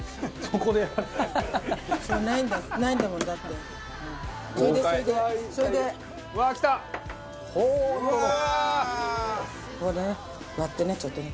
ここでね割ってねちょっとね。